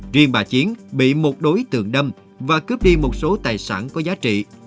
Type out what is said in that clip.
riêng bà chiến bị một đối tượng đâm và cướp đi một số tài sản có giá trị